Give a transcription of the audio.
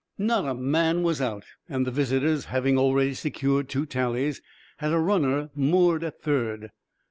Not a man was out, and the visitors, having already secured two tallies, had a runner moored at third.